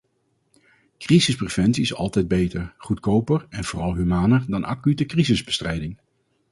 Crisispreventie is altijd beter, goedkoper en vooral humaner dan acute crisisbestrijding.